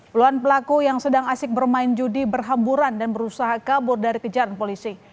puluhan pelaku yang sedang asik bermain judi berhamburan dan berusaha kabur dari kejaran polisi